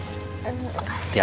terima kasih pak